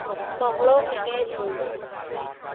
มองโลกในแง่ดี